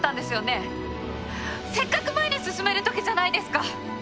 せっかく前に進めるときじゃないですか。